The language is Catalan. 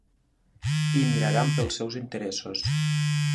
I miraran pels seus interessos.